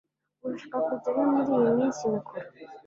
urashaka kujya he muriyi minsi mikuru